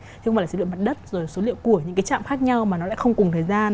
chứ không phải là số liệu mặt đất rồi số liệu của những cái trạm khác nhau mà nó lại không cùng thời gian